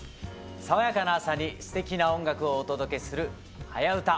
爽やかな朝にすてきな音楽をお届けする「はやウタ」。